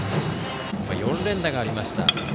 ４連打がありました。